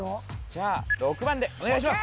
じゃあ６番でお願いします